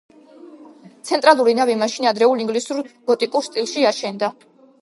ცენტრალური ნავი მაშინ ადრეულ ინგლისურ გოტიკურ სტილში აშენდა.